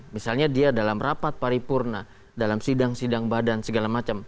misalnya dia dalam rapat paripurna dalam sidang sidang badan segala macam